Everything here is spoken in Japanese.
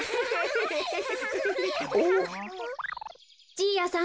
じいやさん！